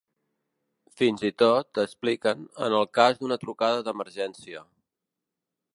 Fins i tot, expliquen, en el cas d’una trucada d’emergència.